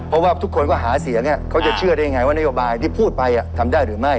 เพราะว่าทุกคนก็หาเสียงเขาจะเชื่อได้ยังไงว่านโยบายที่พูดไปทำได้หรือไม่